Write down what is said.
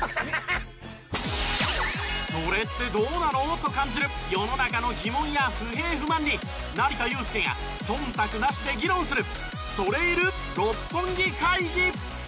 それってどうなの？と感じる世の中の疑問や不平不満に成田悠輔が忖度なしで議論する。